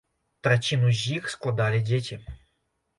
Траціну з іх складалі дзеці.